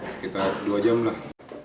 sekitar dua jam lah